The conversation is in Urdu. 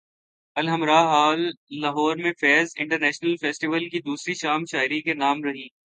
الحمرا ہال لاہور میں فیض انٹرنیشنل فیسٹیول کی دوسری شام شاعری کے نام رہی